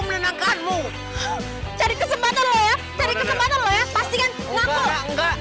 lo ngapain sebelah kilang gue